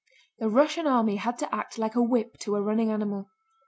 The Russian army had to act like a whip to a running animal.